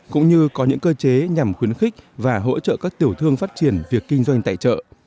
cũng như có những cơ chế nhằm khuyến khích và hỗ trợ các tiểu thương phát triển việc kinh doanh tại chợ